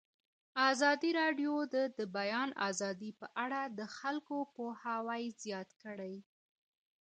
ازادي راډیو د د بیان آزادي په اړه د خلکو پوهاوی زیات کړی.